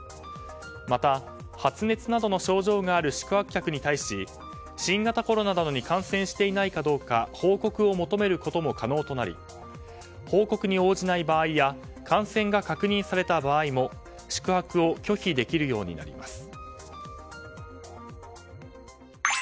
また、発熱などの症状がある宿泊客に対し新型コロナなどに感染していないかどうか報告を求めることも可能となり報告に応じない場合や感染が確認された場合も宿泊を拒否できるようになります。